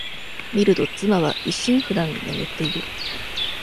みると、妻は一心不乱に眠っている。